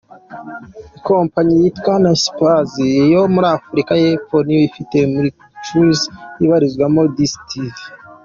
Ikompanyi yitwa Naspers yo muri Afurika y’Epfo niyo ifite MultiChoice ibarizwamo Dstv.